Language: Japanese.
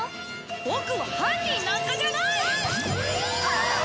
ボクは犯人なんかじゃない！